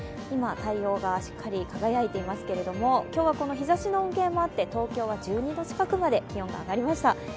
今、太陽がしっかり輝いていますけど、今日はこの日ざしの恩恵もあって東京、１２度近くまで気温が上がりました。